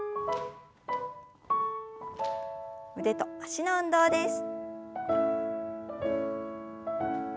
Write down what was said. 腕と脚の運動です。